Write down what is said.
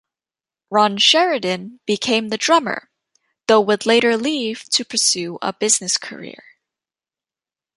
Ron Sheridan became the drummer, though would later leave to pursue a business career.